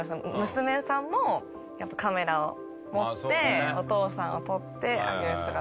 娘さんもやっぱりカメラを持ってお父さんを撮ってあげる姿と。